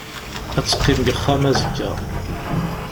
Ad teqqim deg uxxam azekka.